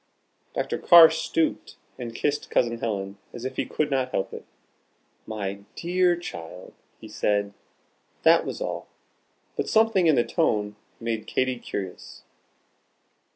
Dr. Carr stooped and kissed Cousin Helen as if he could not help it. "My dear child," he said. That was all; but something in the tone made Katy curious.